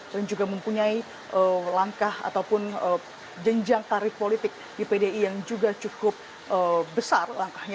dan juga mempunyai langkah ataupun jenjang tarif politik di pdi yang juga cukup besar langkahnya